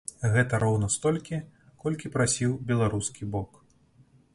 Гэта роўна столькі, колькі прасіў беларускі бок.